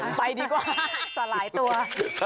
ไปดีกว่า